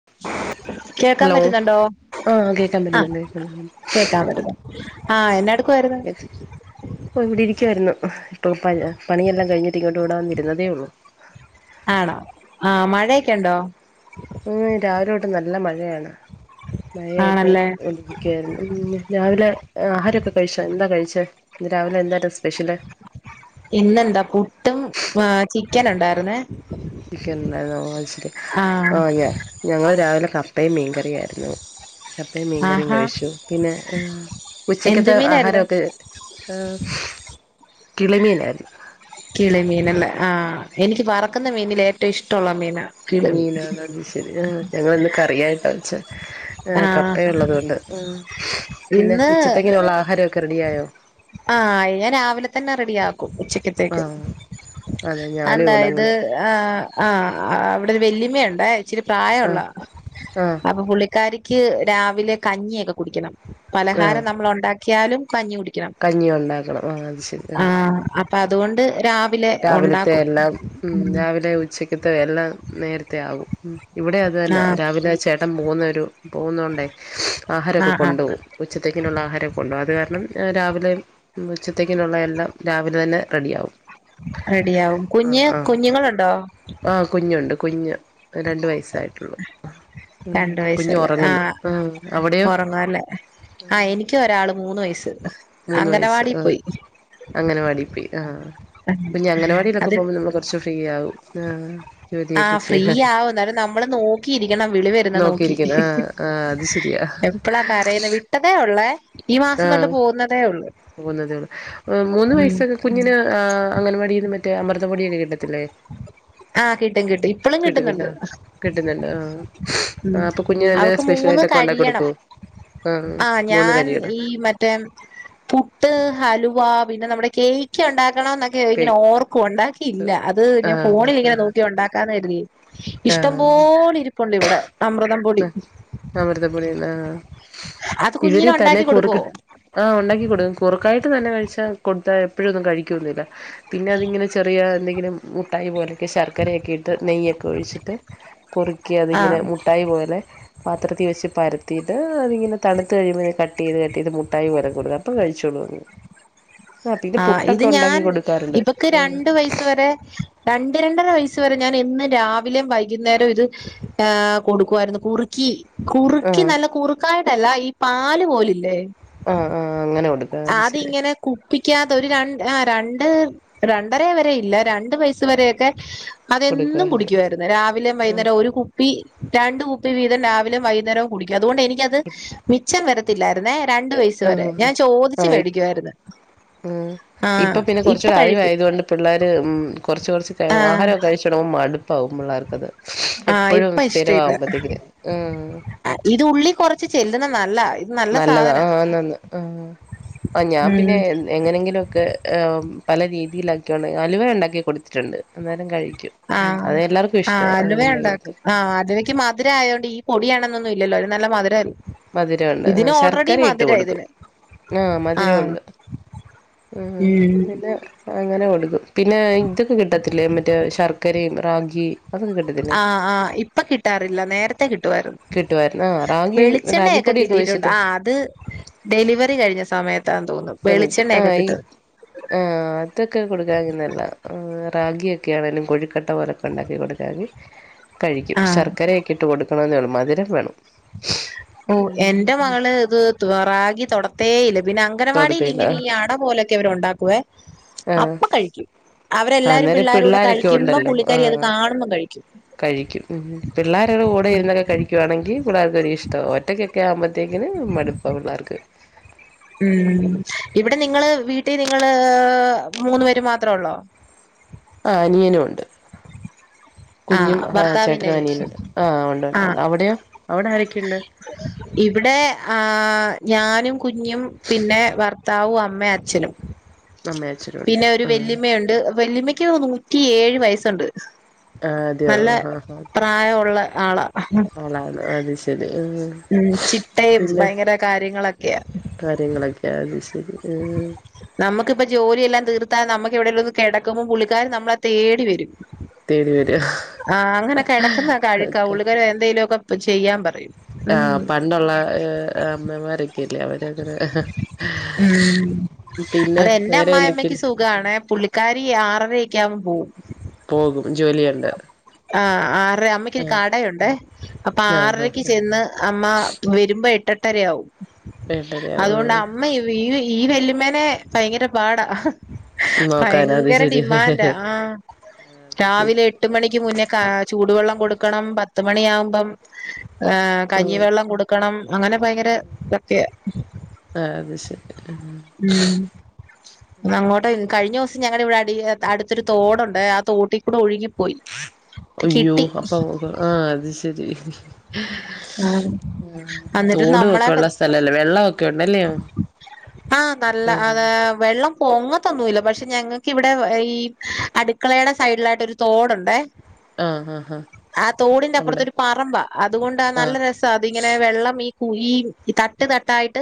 [unintelligible] കേൾക്കാൻ ഹലോ പറ്റുന്നുണ്ടോ ആഹ് കേക്കാൻ ആഹ് പറ്റുന്നുണ്ട് കേക്കാൻ പറ്റുന്നുണ്ട് കേക്കാൻ പറ്റുന്നു ആഹ് എന്നടുക്കുമായിരുന്നു ഓ ഇവിടെ ഇരിക്കുവായിരുന്നു ഇപ്പം പണിയെല്ലാം കഴിഞ്ഞിട്ട് ഇങ്ങോട്ട് ഇവിടെ വന്നരുന്നതേ ഉള്ളൂ ആണോ ആഹ് മഴയൊക്കെ ഉണ്ടോ ഉം രാവിലെ തോട്ട് നല്ല മഴയാണ് മഴയായിട്ട് ആണല്ലേ ഒള ഓക്കരുന്നു രാവിലെ ആഹാരമൊക്കെ കഴിച്ചു എന്താ കഴിച്ചത് രാവിലെ എന്തായിരുന്നു സ്പെഷ്യല് ഇന്നെന്താ പുട്ടും ചിക്കൻ ഉണ്ടായിരുന്നേ ചിക്കൻ ഉണ്ടായിരുന്നുച്ചരി ആ ആഹ് ഞാ ഞങ്ങള് രാവിലെ കപ്പയും മീൻകറിയായിരുന്നു കപ്പയും മീൻകറിയും ആഹാ കഴിച്ചു പിന്നെ എന്ത് ഉച്ചക്കത്തെ മീനായിരുന്നു ആഹാരമൊക്കെ ആഹ് കിളിമീനായിരുന്നു കിളി മീനല്ലേ ആഹ് എനിക്ക് വറക്കുന്ന മീനിൽ ഏറ്റവും ഇഷ്ടമുള്ള മീന മീനണ അത് ശരി ആഹ് ഞങ്ങന്ന് കറിയായിട്ടാ വെച്ച ആ ആഹ് കപ്പയ ഉള്ളത കൊണ്ട് പിന്നെ ഇന്ന് ഉച്ചത്തെങ്ങനെയുള്ള ആഹാരം കാ റെടി ആയോ ആഹ് ഞാൻ രാവിലെ തന്നെ റെഡി ആക്കും ആ ഉച്ചിക്കത്തേക്ക് അതെ ഞാനും ഇവിടെ അങ്ങനെ ആഹ് ആഹ് അവിടെ ഒരു വെല്ലിയമ്മുണ്ടേ ഇച്ചിരി ആ പ്രായംള്ള ആ അപ്പൊ പുള്ളി ക്കാരിക്ക് രാവിലെ കഞ്ഞിയൊക്കെ കുടിക്കണം ആ പലഹാരം നമ്മൾ ഉണ്ടാക്കിയാലും കഞ്ഞി കുടിക്കണം കഞ്ഞി ഉണ്ടാക്കണം ആഹ് അത് ശരി ആ ആഹ് അപ്പൊ അതുകൊണ്ട് രാവിലത്തെ ഉണ്ടാക്കും എല്ലാം ഉം രാവിലെ ഉച്ചക്ക് എല്ലാം നേരത്തെ ആകും ഇവിടെ അത് ആ തന്നെ രാവിലെ ചേട്ട ഇട്ടം പോന്നൊരു പോകുന്ന കൊണ്ടേ ആ ആഹാരമൊക്കെ ആ കൊണ്ടു പോം ഉച്ചത്തേക്കിനുള്ള ആഹാരം കൊണ്ടു അത് കാരണം രാവിലെ ഉച്ചത്തേക്കിനുള്ള എല്ലാം രാവിലെ തന്നെ റെഡിയ ആവും റെഡിയാവും കുഞ്ഞ കുഞ്ഞുങ്ങളുണ്ടോ ആഹ് കുഞ്ഞുണ്ട് കുഞ്ഞ് രണ്ട് വയസ്സായിട്ടുള്ളു ഉം രണ്ട് കുഞ്ഞു ഉറങ്ങുന്ന അവിടെയോ ങ്ങല്ലേ ആഹ് എനിക്ക ഒരാള് മൂന്ന് വയസ് മൂന്ന് വയസ്സ് അംഗനവാടി ആഹ് പോയി അംഗനവാടി പോയി ആഹ് പിന്നെ അങ്ങനവാടിയിലൊക്കെ അത് പോകുമ്പോൾ നമ്മൾ കൊറച്ച ഫ്രീ ആകും ആഹ് ജോലിയൊക്കെ ആഹ് ഫ്രീ ചെയ്യാൻ ആവും എന്നാലും നമ്മള് നോക്കിയിരിക്കണം വിളി വരുന്ന നോക്കി നോക്കിയിരിക്കുന്നു ആഹ് ആഹ് അത് ശരിയാ പറയന്ന് വിട്ടതേ ഉള്ളേ ഈ മാസം തൊട്ട് ആഹ് പോകുന്നതേ ഉള്ളൂ പോകുന്നതേ ഉള്ളൂ മൂന്ന് ഉം വയസക്കെ കുഞ്ഞിന് അംഗൻവാടിന്നും മറ്റേ അമൃത പൊടിയൊക്കെ കിട്ടത്തില്ലേ ആഹ് കിട്ടും കിട്ടും ഇപ്പളും കിട്ടും കിട്ടുന്നുണ്ട് കിട്ടും കിട്ടുന്നുണ്ട് ആഹ് ഉം ആഹ് അപ്പൊ കുഞ്ഞുന്റെ അവക്ക് മൂന്ന് സ്പെഷ്യൽായിട്ടൊക്കെ ഉണ്ടാക്ക കഴിയണം കൊടുത്തു ആഹ് ആ മൂന്ന് ഞാൻ കടികട ഈ മറ്റേ പുട്ട് ഹലുവ പിന്നെ നമ്മുടെ കേക്ക് ഉണ്ടാക്കണം എന്നൊക്ക ഇങ്ങനെ കേക്ക് ഓർക്കും ഉണ്ടാക്കിയില്ല അത് ഞാൻ ആഹ് ആഹ് ഫോണിൽ ആഹ് ഇങ്ങനെ നോക്കിയ ഉണ്ടാക്കാന്ന് കരുതി ഇഷ്ടം പോലെ ഇരിപ്പണ്ട് ഇവിടെ അമ്മൃതം ആ അവമൃത് പെടിന്ന ആ അത് കുഞ്ഞിന് ഇവരും തന്നെ ഉണ്ടാക്കി കൊടുക്കുവോ കുറക്ക് ആഹ ഉണ്ടാക്കി കൊടുക്കും കുറുക്കായിട്ട് തന്നെ കഴിച്ചാ കൊടുത്താ എപ്പോഴൊന്നും കഴിക്കന്നില്ല പിന്നെ അതിങ്ങനെ ചെറിയ എന്തെങ്കിലും മുട്ടായി പോലെയൊക്കെ ശർക്കരയൊക്കെ ഇട്ട് നെയ്യൊക്കെ ഒഴിച്ചിട്ട് കുറുക്കി ആ അതിങ്ങനെ മുട്ടായി പോല്ലെ പാത്രത്തിൽ വെച്ച് പരത്തിയിട്ട് അതിങ്ങനെ തണുത്ത് കഴിയുമ്പന് കട്ട് ചെയ്ത് കട്ട് മുട്ടായി പോലെ കൊടുക്കാം ഇപ്പം കഴിച്ചോള് അത് ആ ഇത് ഞാൻ ഇവക്ക് ഉം രണ്ടു വയസ്സ് വരെ രണ്ട രണ്ടര വയസ്സ് വരെ ഞാൻ എന്ന് രാവിലെയും വൈകുന്നേരം ഇത് കൊടുക്കുമായിരുന്നു കുറി ക്കി കുറുക്കി ആഹ് നല്ല കുറുക്കായിട്ടല്ല ഈ പാല് പോലില്ലേ ആഹ് ആഹ് അങ്ങനെ കൊടുക്കാ അത് ശരി അതിങ്ങനെ കൂ പ്പിക്കാത്ത ഒരു രണ്ട് ആ രണ്ട് രണ്ടര വരെ ഇല്ല രണ്ട് വയസ്സ് വരെയൊക്കെ അതും കൊടുക്കാറുണ്ട് കുടിക്കുവായിരുന്നു രാവിലെ വൈകുന്നേരം ഒരു കുപ്പി രണ്ട് കുപ്പി വീതം രാവിലെ വൈകുന്നേരം കുടിക്കും അതുകൊണ്ട് എനിക്കത് മിച്ചം വരത്തില്ലായിരുന്നേ രണ്ടു വയസ് വരെ ആഹ് ഞാൻ ചോദിച്ചു ആഹ് മേടിക്കുയിരുന്നു ഉം ഇപ്പൊ പിന്നെ ഇപ്പൊ കുറച്ചൂടി കഴിക്കും അറിവായതുകൊണ്ട് പിള്ളേർ ഉം കുറച്ച് കുറച്ച് ആ വാഹനം കഴിച്ച ഭക്ഷണവും മടുപ്പാവും പിള്ളേർക്കത് ആ എപ്പോഴും ഇപ്പൊ സ്ഥിര ഇഷ്ടമില്ല ആവുമ്പോത്തേക്കിന് ഉം ഇത് ഉള്ളി കുറച്ച് ചെല്ലുന്ന നല്ല ഇത് നല്ല നല്ലതാ സാധന ആന്ന് ആന്ന് ആഹ് ആഹ് ഞാൻ പിന്നെ എങ്ങനെങ്കിലും ഒക്കെ പല രീതിയിലാക്കൊണ്ട് അലുവ ഒണ്ടാക്കി കൊടുത്തിട്ടുണ്ട് അന്നേരം കഴിക്കും ആ ഉം അതെല്ലർക്കും ഇഷ്ട്ടവാ അങ്ങനെ ഒണ്ടാക്കി കൊടു ആഹ് അതെനിക്ക് മധുരയതോണ്ട് ഈ പൊടിയാണെന്നൊന്നുവില്ലല്ലോ അതിന് നല്ല മധുര മധുരവോണ്ട് ആഹ് ഇതിന് ഓൾറെഡി ശർക്കര ഇട്ട് ഇതിന് കൊടുക്കും ആഹ് മധുരവോണ്ട് ആഹ് ഉം പിന്നെ അങ്ങനെ കൊടുക്കും പിന്നെ ഇതൊക്കെ കിട്ടത്തില്ലേ മറ്റേ ശർക്കരേം, റാഗി അതൊക്കെ കിട്ടത്തില്ലേ ആഹ് ആഹ് ഇപ്പ കിട്ടാറില്ല നേരത്തെ കിട്ടുവാരുന്നു കിട്ടുവായിരുന്നു ആ റാഗി വെളിച്ചെണ്ണയൊക്കെ റാഗിപ്പൊടിയൊക്കെ കിട്ടിട്ടോണ്ട് വെച്ചിട്ട് ആഹ് അത് ഡെലിവറി കഴിഞ്ഞ സമയത്താന് തോന്നുന്നു വെളിച്ചെണ്ണയൊക്കെ കിട്ടു ആഹ് അതൊക്കെ കൊടുക്കാങ്കി നല്ലതാ റാഗിയൊക്കൊണേലും കോഴിക്കട്ട പോലൊക്കെ ഒണ്ടാക്കി കൊടുക്കാന്ന് കഴിക്കും ആഹ് ശർക്കരയൊക്കെ ഇട്ട് കൊടുക്കണം എന്നോള്ളൂ മധുരം വേണം ഓഹ് ഉം എന്റെ മകള് ഇത് റാഗി തൊടത്തേ ഇല്ല പിന്നെ തൊടുതീല അംഗനവാടിലിങ്ങനെ ഈ അടപോലെ ക്കെ അവര് ഒണ്ടാക്കുവേ ആ അപ്പ കഴിക്കും അവരെല്ലാരും അന്നേരം പിള്ളേരുടെ പിള്ളോരൊക്കെ കഴിക്കുമ്പം ഉണ്ടല്ലോ ആ പുള്ളിക്കരി അത് കാണുമ്പം കഴിക്കും കഴിക്കും പിള്ളേരുടെ കൂടെ ഇരുന്നൊക്കെ കഴിക്കുവാണെങ്കി പിള്ളേർക്കൊരി ഇഷ് ട്ടവാ ഒറ്റക്കൊക്കെ ആകുമ്പോഴത്തേക്കിന് മടുപ്പ പിള്ളേർക്ക് ഉം ഇവിടെ നിങ്ങള് വീട്ടി നിങ്ങള് മൂന്ന് പേര് മാത്രേ ഒള്ളോ ആഹ് അനിയനും ഒണ്ട് കുഞ്ഞും ആഹ് ചേട്ടനും അനിയനുവോണ്ട് ആഹ് ആഹ് ഒണ്ട്ണ്ട് അവിടെയോ അവിടെ ആരൊക്കെണ്ട് ഇവിടെ ആഹ് ഞാനും കുഞ്ഞും പിന്നെ വർത്താവും അമ്മയും അച്ഛനും അമ്മയും അച്ഛനും ഉണ്ട് പിന്നെ ഒരു ആ വെല്ലിമ്മേയൊണ്ട് വെല്ലിമ്മേക്ക് നൂറ്റിയേഴ് വയസ്സോണ്ട് ആഹ് അതെയോ ആഹ് ആഹ് പ്രായം ഒള്ളെ ആളാ ആളാണോ അത് ശെരി ഉം ഉം ചിട്ടേം ഭയങ്കര കാര്യങ്ങളൊക്കെയാ കാര്യങ്ങളൊക്കെയാ അത് ശെരി ഏഹ് നമുക്കിപ്പ ജോലിയെല്ലാം തീർത്താ നമുക്ക് എവിടേലും ഒന്ന് കെടക്കുമ്പോ പുള്ളിക്കാരി നമ്മളെ തേടി വരും തേടി വരോ ആഹ് അങ്ങനെക്കെടക്കുന്നെക്കെ അഴുക്കാ ഓക്കെ പുള്ളിക്കാരി എന്തെലുവോക്കെ ചെയ്യാൻ പറയും ഉം. ആഹ് പണ്ടൊള്ള അമ്മമാരൊക്കെല്ലേ അവരങ്ങനെ ഉം പിന്നെ അതെൻന്റെ വേറെ അമ്മായിമ്മയ്ക്ക് എന്തൊക്കെയ സു ഖാണേ പുള്ളിക്കാരി ആറരക്കെ ആവുമ്പോ പോവും പോകും ജോലിയൊണ്ട് ആഹ് ആറരാ അമ്മക്കൊരു കടയൊണ്ടേ അപ്പോ ആ ആ ആറരക്ക് ആ ചെന്ന് അമ്മ വരുമ്പോ എട്ടെട്ടരയാവും വേണ്ടല്ലേ ആ അതുകൊണ്ട് അമ്മ ഈ ഈ വെല്ലിമ്മേനെ ഭയങ്കര പാടാ നോക്കാന അത് ഭയങ്കര ശരി ഡിമാൻഡാ ആഹ് ആ അത് ശരി രാവിലെ ട്ട് മണിക്ക് മുന്നേ കാ ചൂടുവെള്ളം കൊടുക്കണം പത്തുമണിയാവുമ്പം ഏഹ് ഉം കഞ്ഞിവെള്ളം കൊടുക്കണം അങ്ങനെ ഭയങ്കര ഇതൊക്കയാ ആഹ് അത് ശെരി ആഹ് ഉം ഒന്ന് അങ്ങോട്ടോ കഴിഞ്ഞ ദിവസോം ഞങ്ങടവിടെ അടി അടുത്തൊരു തോടോണ്ടെ ആ തോട്ടി ക്കുടെ ഒഴുകിപ്പോയി അയ്യോ കിട്ടി അപ്പൊ ആഹ് അത് ശെരി ആ. എന്നിട്ട് നമ്മളെ തോടുവോക്കെ സ്ഥലല്ലേ വെള്ളവോക്കെ ഒണ്ടല്ലെയോ ആഹ് നല്ല അത് വെള്ളം പൊങ്ങത്തൊന്നുവില്ല പഷേ ഞങ്ങക്കിവിടെ ഈ അടുക്കളേടെ സൈഡിലായിട്ടൊരു തോടൊണ്ടേ ആഹ് ആഹ് ആഹ് ആ തോടിന്റെ അവിടെ അപ്രത്തൊരു പറമ്പാ അതുകൊണ്ട് ആ ആഹ് നല്ലര രസവാ അതിങ്ങനെ വെള്ളം ഈ കുഴീ ഈ തട്ട് തട്ടായിട്ട്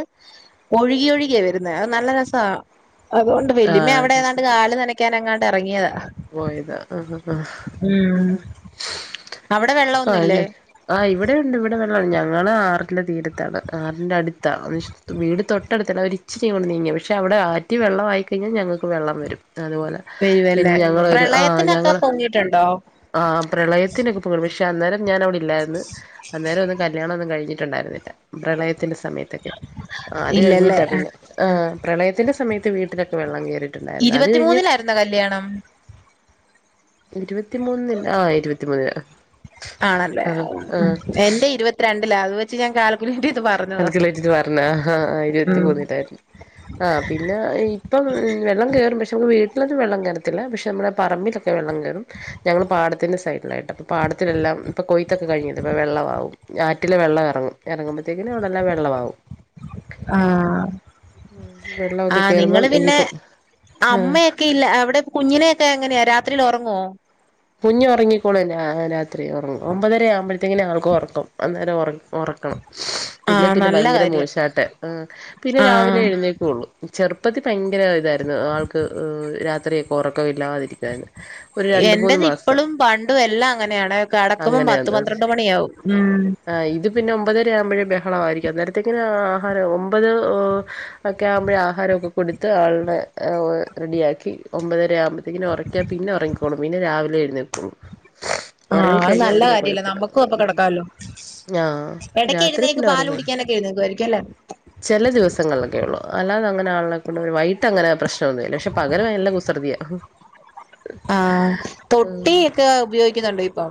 ഒഴുകി ഒഴുകിയാ വരുന്നെ അത് നല്ല രസവാ അതുകൊണ്ട് വല്യമ്മ ആഹ് അവിടെ അത് ഏതാണ്ട് കാല് നനയ്ക്കാൻ എങ്ങാണ്ട് ഇറങ്ങിയതാ പോയിതാ ആഹ് ആഹ് അവിടെ ആഹ് വെള്ളമൊന്നുല്ലേ മ് ആഹ് ഇവിടെയ ഉണ്ട് ഇവിടെ വെള്ള ഞങ്ങള് ആറിന്റെ തീരത്താണ് ആറിന്റെ അടുത്താ വീട് തൊട്ടടുത്തല്ല ഒരിച്ചിരിയങ്ങോട്ട് നീങ്ങിയാ പക്ഷെ അവിടെ ആറ്റി വെള്ളം ആയി കഴിഞ്ഞാ ഞങ്ങൾക്ക് വെള്ളം വരും അതുപോലെ വരുവല്ലേ പിന്നെ ഞങ്ങളൊരു ആഹ് പ്രളയത്തിനൊക്കെ ഞങ്ങള് പൊങ്ങിട്ടുണ്ടോ ആഹ് പ്രളയത്തിനൊക്കെ പൊങ്ങി പക്ഷെ അന്നേരം ഞാൻ അവിടെ ഇല്ലാരിന്ന് അന്നേരം ഒന്നും കല്യാണംമൊന്നും കഴിഞ്ഞിട്ടുണ്ടായിരുന്നില്ല പ്രളയത്തിന്റെ സമയത്തൊക്കെ ആഹ് അത് ഇല്ലല്ലേ കഴിഞ്ഞിട്ടാ ആഹ് പിന്നെ ആഹ് പ്രളയത്തിന്റെ സമയത്ത് വീട്ടിലൊക്കെ വെള്ളം കയറിട്ടുണ്ടായിരുന്നു അത് കഴിഞ്ഞ് എന്നാ കല്യാണം? ഇരുപത്തിമൂന്ന് ആ ഇരുപത്തിമൂന്ന്ന് ആണല്ലേ എന്റെ ഇരുപത്തിരണ്ടില അത് വെച്ച് ഞാൻ കാൽക്കുലേറ്റ് ചെയ്ത് പറഞ്ഞു കൽക്കുലേറ്റിട്ട് പറഞ്ഞ ഹാ ഇരുപത്തി മൂന്നിലായിരുന്നു ആഹ് പിന്നെ ഇപ്പം വെള്ളം കയറും പക്ഷെ നമുക്ക് വീട്ടിലൊന്നും വെള്ളം കയറത്തില്ല പക്ഷെ നമ്മുടെ പറമ്പിലൊക്കെ വെള്ളം കയറും ഞങ്ങള്ൾ പാടത്തിന്റെ സൈഡിലായിട്ട് അപ്പൊ പാടത്തിലെല്ലാം ഇപ്പൊ കൊയ്ത്തൊക്കെ കഴിഞ്ഞത് ഇപ്പ വെള്ളമാവും ആറ്റില് വെള്ളം ഇറങ്ങും ഇറങ്ങുമ്പോഴത്തേക്കിന അവിടെല്ലാം വെള്ളമാവും ആഹ് ആ വെള്ളമൊക്കെ നിങ്ങള് കയറുമ്പം പിന്നെ ഇനിയിപ്പം ആ അമ്മയൊക്കെ ല്ല അവിടെ കുഞ്ഞിനെയൊക്കെ എങ്ങനെയാ രാത്രിയിൽ ഉറങ്ങുവോ കുഞ്ഞ് ഉറങ്ങിക്കോളും ആ രാത്രി ഉറങ്ങും ഒമ്പതര ആവുമ്പോഴത്തേക്കിനാ ആവൾക്കു ഉറക്കം അന്നേരം ഒറ ഒറക്കണം ഇല്ലെ ആഹ് പിന്നെ നല്ല ഭയങ്കര കാര്യം മൂശാട്ടെ ആ പിന്നെ രാവിലെ ആഹ് എഴുന്നേ ള്ളൂ ചെറുപ്പത്തി ഭയങ്കര ഇതായിരുന്നു ആൾക്ക് രാത്രിയൊക്കെ ഉറക്കം ഇല്ലാതിരിക്കുവായിരുന്നു ഒരു രണ്ട് മൂന്ന് എന്റത് മാസം ഇപ്പളും പണ്ടും എല്ലാം അങ്ങനെയാണ് കടക്കുമ്പം പത്ത് അങ്ങനെയാന്ന് അത് പന്ത്രണ്ട് മണിയാവും ഉം ആഹ് ഇത് പിന്നെ ഒമ്പതര ആവുമ്പോഴേ ബഹളമായിയിരിക്കും അനേരത്തെേക്കന ആഹാരം ഒമ്പത് ഓ ഒക്കെ ആവുമ്പോഴേ ആഹാരമൊക്കെ കൊടുത്ത് ആളിനെ റെഡിയ ആക്കി ഒമ്പതര ആവുമ്പ ത്തിക്കിന് ഉറക്കിയ പിന്നെ ഉറങ്ങിക്കോളും പിന്നെ രാവിലെയെഴുന്നേക്കുളൂ ആഹ് അത് ഒറങ്ങിക്കഴിഞ്ഞാ നല്ല പിന്നെ കാര്യല്ലേ കുഴപ്പില്ലാ നമ്മുക്കും അപ്പൊ കിടക്കാല്ലോ ആഹ് ഇടയ്ക്ക് രാത്രി എഴുന്നേക്ക് പിന്നെ പാല് ഉറങ്ങോ കുടിക്കാനൊക്കെ എഴുന്നേക്കുവായിരിക്കും അല്ലേ ചില ദിവസങ്ങളിലൊക്കെ ഉള്ളു അല്ലാതെ അങ്ങന ആളെ കൊണ്ട് വൈകട്ട് അങ്ങനെ പ്രശ്ന നോന്നുല്ല പക്ഷെ പകല് നല്ല കുസൃതിയ ആഹ് തൊട്ടി ഒക്കെ ഉപയോഗിക്കുന്നുണ്ടോ ഇപ്പൊ?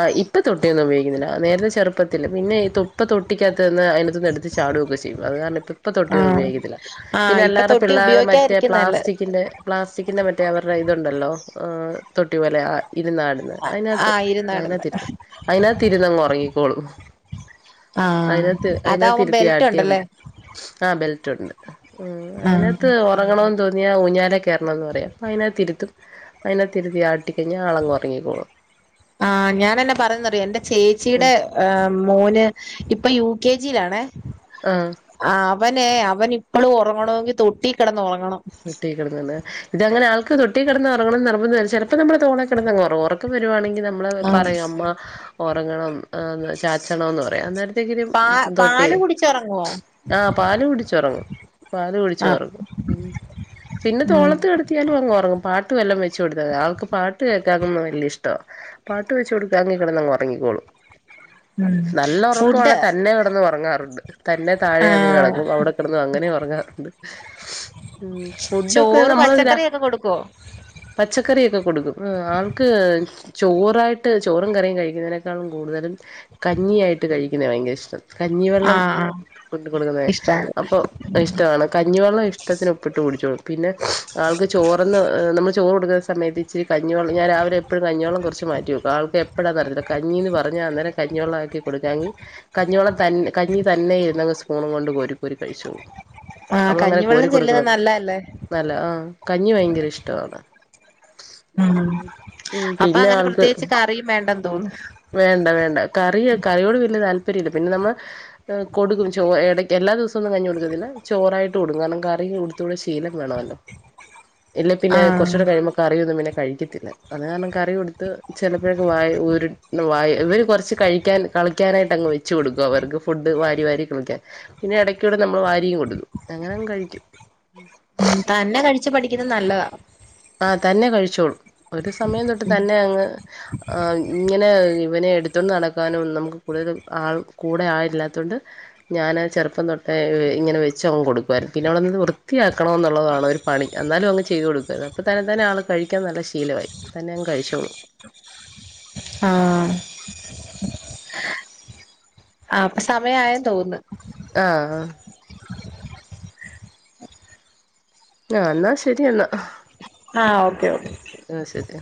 ആഹ് ഇപ്പ തൊട്ടിയൊന്നും ഉപയോഗിക്കുന്നില്ല നേരത്തെ ചെറുപ്പത്തില് പിന്നെ ഇപ്പ തൊട്ടിക്കാത്ത് നിന്നാ അതിനകത്ത്നിന്ന് എടു ത്തു ചാടുവൊക്കെ ചെയ്യും അത് കാരണം ഇപ്പം ഇപ്പൊ തൊട്ടിയ ഒന്നും ആഹ് ഉപയോഗിക്കത്തില്ല ആഹ് പിന്നെ ഇപ്പൊ അല്ലാരുടെ തൊട്ടി പിള്ളേരെടെ മറ്റേ ഉപയോഗിക്കാതിരിക്കുന്നല്ലേ പ്ലാസ്റ്റിക്കിന്റെ പ്ലാസ്റ്റിക്കിന്റെ മറ്റേ അവരുടെ ഇതുണ്ടല്ലോ ഹെ തൊട്ടി പോലെ ഇരുന്ന് നാട് ന്ന അതിനകത്ത് ആഹ് ഇരുന്നാടന്ന് അതിനകത്തിരുത്ത് അതിനകത്ത് ഇരുന്നങ്ങ് ഉറങ്ങിക്കോളും ആഹ് അതിനകത്ത് അതിനക അതാവുമ്പോ തിരുത്തി ബെൽറ്റ് ആട്ടിയാ ഉണ്ടല്ലേ മതി ആ ബെൽറ്റ് ഉണ്ട് ആ ആഹ് അയ്നകത്ത് ഒ ഉറങ്ങണന്ന് തോന്നിയാൽ ഊഞ്ഞാല കേറണംന്ന് പറയാ പ്പ അയിനകതിരുത്തും അയിനെത്തിരുതി ആട്ടിക്കഴിഞ്ഞാൽ ആളങ്റങ്ങിക്കോളും ആ് ഞാൻന്നെ പറയറന്ന് അറിയോ എൻന്റെ ഉം ചേച്ചിയുടെ മോന് ഇപ്പൊ യു കെ ജിയിലാണേ ആഹ അവനെ അവൻ ഇപ്പളും ഒറങ്ങണമെങ്കിൽ തൊട്ടി കിടന്ന് ഒറങ്ങണം [unintelligible] കൊടുക്കുന്നെ ഇതങ്ങെനെ ആൾക്ക് തൊട്ടി കിടന്ന് ഒറങ്ങന്ന് നിർബന്ധംല്ല ചെലപ്പോ നമ്മുടെ തോളെ കിടന്നാ ഒറങ്ങും ഒറക്കം വരുവാണെങ്കിൽ ന നമ്മള പറയാമ്മ ഒറങ്ങണം ആ ചാച്ചണോന്ന് പറയാ അന്നേരത്തെക്കിനി പാ തൊട്ടി പാല് കുടിച്ചൊറങ്ങുവോ ആഹ പാല് കുടിച്ചു ഒറങ്ങും പാല് കുടിച് ആഹ് ഒറങ്ങും ഉം ടുത്തിയാലും അങ്റങ്ങും പാട്ട് വല്ലം വെച്ചു കൊടുത്ത മതി ആൾക്ക് പാട്ട് കേൾക്കാനും വലിയ ഇഷ്ടം പാട്ട് വെച് കൊടുക്കണങ്കിൽ കടന്നങ് ഉറങ്ങിക്കോളും. ഉം നല്ല ഫുഡ് ഒറക്കമാന്നെന്ന് തന്നെ കിടന്ന് ഒറങ്ങാറുണ്ട് തന്നെ താഴെ അങ്ങ് ആഹ് കിടങ്ങും അവിടെ. കിടന്ന് അങ്ങനെ ഒറങ്ങാറുണ്ട്. ചോറ് പച്ചക്കറിയ ഒക്കെ കൊടുക്കുവോ. പച്ചക്കറിക്കെ കൊടുക്കും അ ആൾക്ക്. ചോറായിട്ട് ചോറും കറിയും കഴിക്കുന്നതിനേക്കാളും കൂടുതലും കഞ്ഞിയായിട്ട് കഴിക്കുന്നത ഭയങ്കര ഇഷ്ടം. കഞ്ഞിവെള്ളം ആഹ് ആഹ് കൊണ്ട് കൊട്ടൊടുക്കുന്ന ഇഷ്ടാണ് അപ്പൊ ഇഷ്ടമാണ് കഞ്ഞിവെള്ളം ഇഷ്ടത്തിന ഉപ്പിട്ട് കുടിച്ചോളും പിന്നെ ആൾക്ക് ചോറ്ന്ന് നമ്മൾ ചോറ് കൊടുക്കുന്ന സമയത്ത് ഇ ഇച്ചിരി കഞ്ഞിവെള്ളം ഞാൻ രാവിലെ കുറച്ചു കഞ്ഞിവെള്ളം എപ്പഴും മാറ്റിവെക്കും ആൾക്ക് എപ്പഴാന്ന അറിയത്തില്ല കണി എന്ന് പരന അന്നേരം കണ്ണിവള്ളക്കി കൊടുക്കെങ്കിൽ കഞ്ഞിവോളം തന്നെ കഞ്ഞി തന്നെ ഇരുന്നെ സ്പൂണും കൊണ്ട് കോരി കോരി കഴിച്ചോളും. ആഹ് നമ്മളങ്ങനെ കഞ്ഞിവെള്ളം കോരി ചെല്ലുന്നത് കൊടുക്കണം നല്ലതല്ലേ. നല്ല ആഹ കഞ്ഞി ഭയങ്കര ഇഷ്ടമാണ്. ഉം ഉ അപ്പൊ പിന്നെ അങ്ങനെ ആൾക്ക്. പ്രത്യേകിച്ച് കറിയും വേണ്ടന്ന് തോന്നുന്നു. വേണ്ട വേണ്ട കറി കറിയോട് വല്ല താല്പര്യംല്ല പിന്നെ നമ്മൾ ഹെ കൊടുക്കും ചോറ് യെടക് എല്ലാ ദിവസവുംന്നും കന്നി കൊടുക്കത്തില്ല ചോറായിട്ട് കൊടും കാരണം കറി കൊടുത്തുകൂടെ ശീലം വേണമല്ലോ. ഇല്ല പിന്നെ ആഹ് കുറച്ചൂടെ കഴിയുബോ കറിയൊന്നും പിന്നെ കഴിക്കത്തില്ല അത് കാരണം കറി കൊടുത്ത്. ചിലപ്പോഴൊക്കെ വയ ഉരു. വായി ഇവര് കുറച്ച് കഴിക്കാൻ കളിക്കാനായിട്ട് അങ്ങ് വെച് കൊടുക്കും അവർക്ക് ഫുഡ് വാരി വാരി കളിക്കാൻ. പിന്നെ ഇടയ്ക്കുടെ നമ്മള് വാരിയും കൊടുക്കും അങ്ങനെ അവൻ കഴിക്കും ഉ തന്നെ കഴിച്ചു പഠിക്കുന്നത് നല്ലതാ. ആ തന്നെ കഴിച്ചോളൂ ഒരു സമയം തൊട്ട് തന്നെ അങ്ങ്. ആ ഇങ്ങനെ ഇവനെ എടുത്തോണ്ട് നടക്കാനും നമുക്ക് കൂടുതൽ ആൾ കൂടെ ആളില്ലാത്തൊണ്ട്. ഞാൻ ആ ചെറുപ്പം തൊട്ടേ ഇങ്ങനെ വെച്ച അവങ് കൊടുക്കുവയിരുന്നു പിന്നെ അവിടെന്ന് വൃത്തിയാക്കണം എന്നുള്ളതാണ് ഒരു. പണി എന്നാലും അങ് ചെയ്തെകൊടുക്ക പ്പ തന്നെ തന്നെ ആൾ കഴിക്കാൻ നല്ല ശീലമായി തന്നെ അങ് കഴിച്ചോളും. ആഹ. ആ അപ്പൊ സമയയെന്ന് തോന്നു. ആഹ. ആ എന്നാ ശരിയെന്നാ. ആഹ ഓക്കെ ഓക്കെ. ആ ശരി.